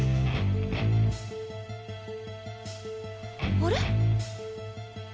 あれ？